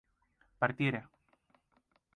partiera